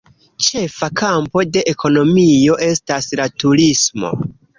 Ĉefa kampo de ekonomio estas la turismo.